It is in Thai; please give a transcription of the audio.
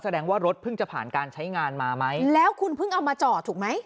แสดงว่ารถเพิ่งจะผ่านการใช้งานมาไหมแล้วคุณเพิ่งเอามาจอดถูกไหม